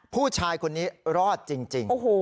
ผู้ชายคนนี้รอดจริง